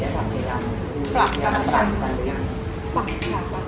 ปรับปรับปรับ